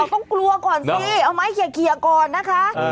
เอาต้องกลัวก่อนสิเอาไหมเคียกเคียกก่อนนะคะ